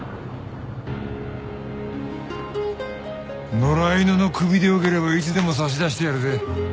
野良犬の首でよければいつでも差し出してやるぜ。